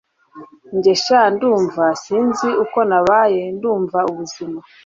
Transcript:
Njye sha ndumva sinzi uko nabaye ndumva ubuzima